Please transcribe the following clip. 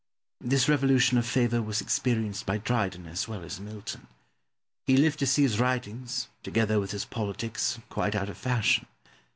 This revolution of favour was experienced by Dryden as well as Milton; he lived to see his writings, together with his politics, quite out of fashion.